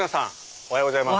おはようございます。